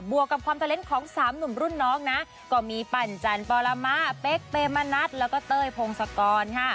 วกกับความเตอร์เลนส์ของสามหนุ่มรุ่นน้องนะก็มีปั่นจันปรมะเป๊กเปมนัดแล้วก็เต้ยพงศกรค่ะ